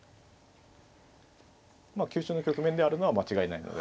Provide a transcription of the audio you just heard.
急所の局面であるのは間違いないので。